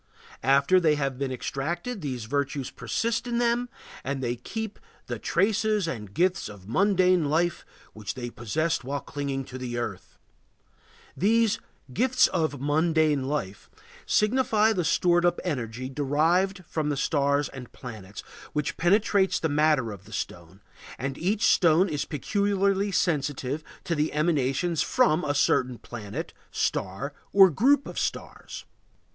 After they have been extracted these virtues persist in them and they keep "the traces and gifts of mundane life which they possessed while clinging to the earth." These "gifts of mundane life" signify the stored up energy derived from the stars and planets, which penetrates the matter of the stone, and each stone is peculiarly sensitive to the emanations from a certain planet, star, or group of stars.